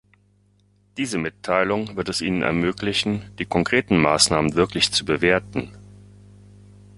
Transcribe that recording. Diese Mitteilung wird es Ihnen ermöglichen, die konkreten Maßnahmen wirklich zu bewerten.